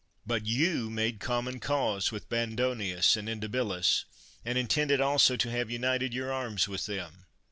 But you made common cause with Mandonius and Indibilis, and intended also to have united your arms with them.